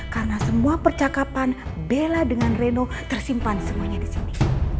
karena semua percakapan bella dengan reno tersimpan semuanya di sini